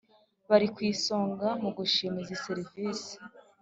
Bari ku isonga mu gushima izi serivisi